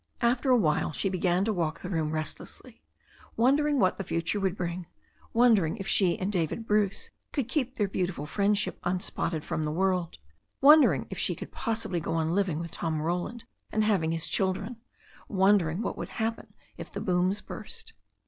After a while she began to walk about the room rest lessly, wondering what the future would bring, wondering if she and David Bruce could keep their beautiful friend 178 THE STORY OF A NEW ZEALAND RIVER ship unspotted from the world, wondering if she could pos sibly go on living with Tom Roland and having his children, wondering what would happen if the booms burst.